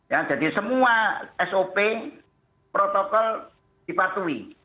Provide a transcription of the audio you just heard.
ya jadi semua sop protokol dipatuhi